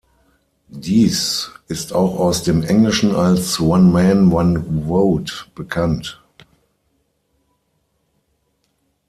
Dies ist auch aus dem Englischen als „One man, one vote“ bekannt.